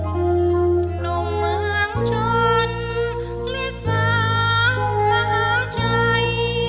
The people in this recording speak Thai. หนุ่มเมืองชนเลสามหาใจ